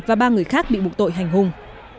và ba người khác bị buộc tội hành hung